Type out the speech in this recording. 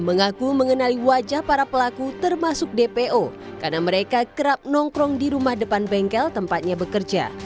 mengaku mengenali wajah para pelaku termasuk dpo karena mereka kerap nongkrong di rumah depan bengkel tempatnya bekerja